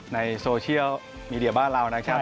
ในโซเชียลมีเดียบ้านเรานะครับ